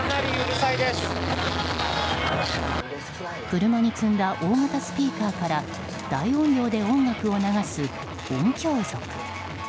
車に積んだ大型スピーカーから大音量で音楽を流す、音響族。